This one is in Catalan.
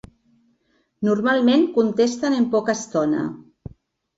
Normalment contesten en poca estona.